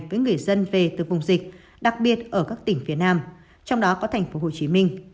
với người dân về từ vùng dịch đặc biệt ở các tỉnh phía nam trong đó có tp hcm